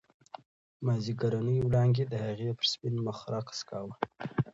مازیګرنۍ وړانګې د هغې پر سپین مخ رقص کاوه.